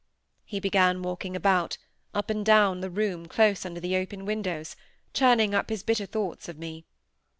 He began walking about, up and down the room close under the open windows, churning up his bitter thoughts of me.